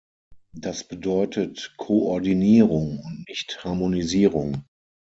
Das bedeutet Koordinierung und nicht Harmonisierung.